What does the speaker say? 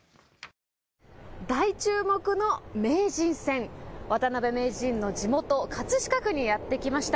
大注目の名人戦。渡辺名人の地元、葛飾区にやって来ました。